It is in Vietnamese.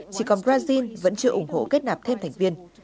chỉ còn brazil vẫn chưa ủng hộ kết nạp thêm thành viên